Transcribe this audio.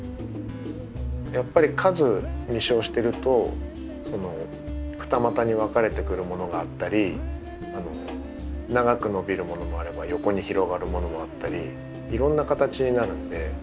やっぱり数実生してると二股に分かれてくるものがあったり長く伸びるものもあれば横に広がるものもあったりいろんな形になるんで。